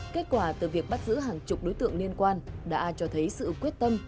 kết quả từ việc bắt giữ hàng chục đối tượng liên quan đã cho thấy sự quyết tâm